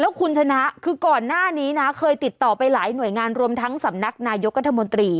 คุณชนะคือก่อนหน้านี้นะเคยติดต่อไปหลายหน่วยงานรวมทั้งสำนักนายกรัฐมนตรี